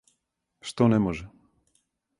Што не може?